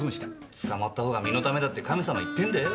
捕まったほうが身のためだって神様言ってんだよ！